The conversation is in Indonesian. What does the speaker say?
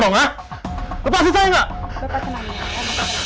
lepasin saya enggak